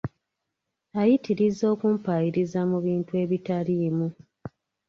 Ayitiriza okumpaayiriza mu bintu ebitaliimu.